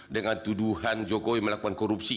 dengan tuduhan jokowi melakukan korupsi